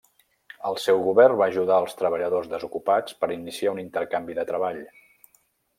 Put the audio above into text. El seu govern va ajudar els treballadors desocupats per iniciar un intercanvi de treball.